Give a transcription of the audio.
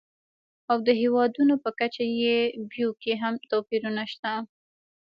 او د هېوادونو په کچه یې بیو کې هم توپیرونه شته.